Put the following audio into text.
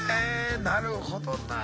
なるほどな。